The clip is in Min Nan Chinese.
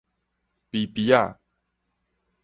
啡啡子